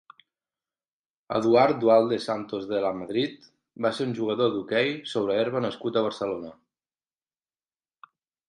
Eduard Dualde Santos de Lamadrid va ser un jugador d'hoquei sobre herba nascut a Barcelona.